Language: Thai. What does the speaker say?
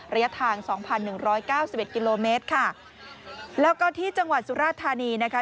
ระยะทางสองพันหนึ่งร้อยเก้าสิบเอ็ดกิโลเมตรค่ะแล้วก็ที่จังหวัดสุราธานีนะคะ